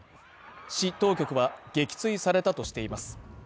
市当局は、撃墜されたとしています。